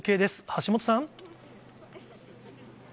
橋本さん。